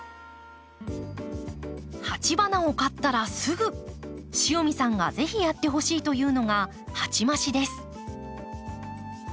鉢花を買ったらすぐ塩見さんがぜひやってほしいというのが鉢増しです。